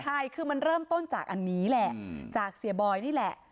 ใช่คือมันเริ่มต้นจากอันนี้แหละจากเสียบอยนี่แหละ